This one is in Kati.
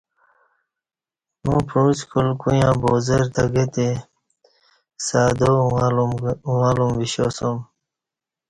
اوں بعوچکال کویاں بازارتہ گہ تے سادا اوݣہ لوم ویشاسوم